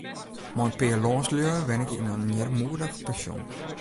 Mei in pear lânslju wenne ik yn in earmoedich pensjon.